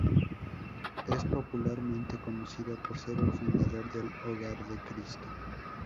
Es popularmente conocido por ser el fundador del Hogar de Cristo.